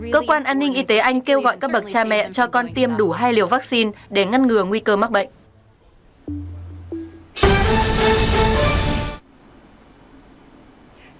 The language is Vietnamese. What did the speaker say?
cơ quan an ninh y tế anh kêu gọi các bậc cha mẹ cho con tiêm đủ hai liều vaccine để ngăn ngừa nguy cơ mắc bệnh